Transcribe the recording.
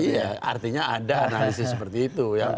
iya artinya ada analisis seperti itu